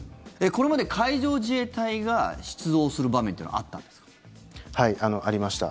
これまで海上自衛隊が出動する場面というのははい、ありました。